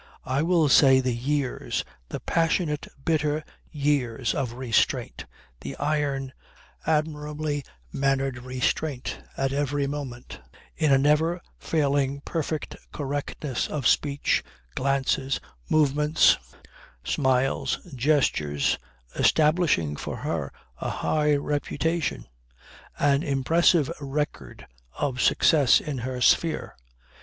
I will say the years, the passionate, bitter years, of restraint, the iron, admirably mannered restraint at every moment, in a never failing perfect correctness of speech, glances, movements, smiles, gestures, establishing for her a high reputation, an impressive record of success in her sphere.